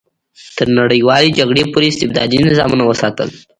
تر نړیوالې جګړې پورې استبدادي نظامونه وساتل.